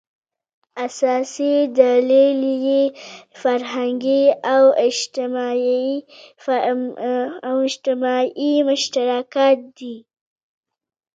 اساسي دلیل یې فرهنګي او اجتماعي مشترکات دي.